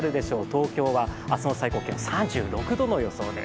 東京は明日の最高気温３６度の予想です。